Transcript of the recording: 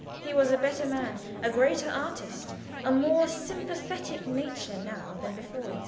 He was a better man, a greater artist, a more sympathetic nature now than before.